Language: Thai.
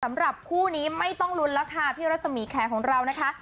สำหรับคู่นี้ไม่ต้องลุ้นแล้วค่ะพี่รัศมีแขกของเรานะคะ